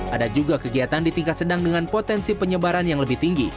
ada juga kegiatan di tingkat sedang dengan potensi penyebaran yang lebih tinggi